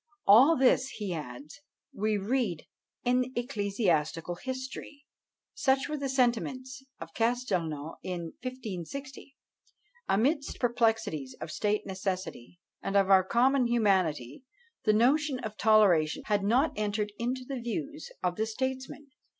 "All this," he adds, "we read in ecclesiastical history." Such were the sentiments of Castelnau, in 1560. Amidst perplexities of state necessity, and of our common humanity, the notion of toleration had not entered into the views of the statesman.